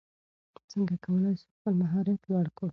څنګه کولای سو خپل مهارت لوړ کړو؟